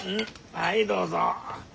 はいどうぞ。